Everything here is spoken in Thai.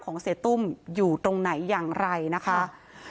เสียตุ้มอยู่ตรงไหนอย่างไรนะคะ